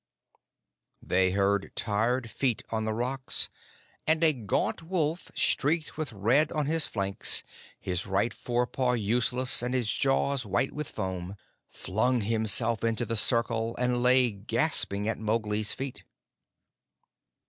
They heard tired feet on the rocks, and a gaunt wolf, streaked with red on his flanks, his right fore paw useless, and his jaws white with foam, flung himself into the circle and lay gasping at Mowgli's feet.